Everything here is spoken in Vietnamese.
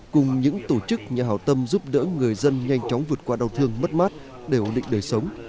cùng những tổ chức nhà hảo tâm giúp đỡ người dân nhanh chóng vượt qua đau thương mất mát để ổn định đời sống